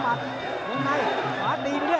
ลงในขวาตีด้วย